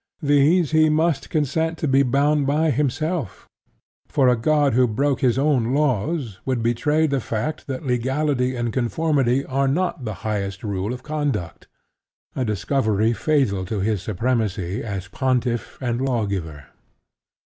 These he must consent to be bound by himself; for a god who broke his own laws would betray the fact that legality and conformity are not the highest rule of conduct a discovery fatal to his supremacy as Pontiff and Lawgiver.